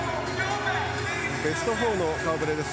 ベスト４の顔ぶれです。